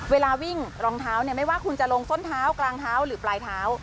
เวลาวิ่งรองเท้าเนี่ยไม่ว่าคุณจะลงส้นเท้ากลางเท้าหรือปลายเท้า